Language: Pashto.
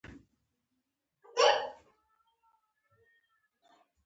الوتکه د نوي ژوند پیل ښيي.